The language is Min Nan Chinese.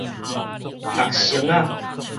學生仔